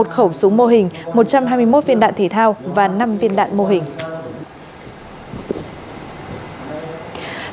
một khẩu súng mô hình một trăm hai mươi một viên đạn thể thao và năm viên đạn mô hình